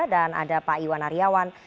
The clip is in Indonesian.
dan ada pak iwan aryawan